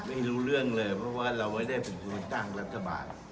ไม่รู้เรื่องเลยเพราะว่าเราไม่ได้เป็นคนตั้งรัฐบาล